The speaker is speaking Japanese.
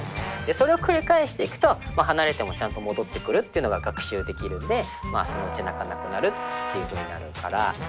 それを繰り返していくと離れてもちゃんと戻ってくるっていうのが学習できるんでそのうち泣かなくなるっていうふうになるから。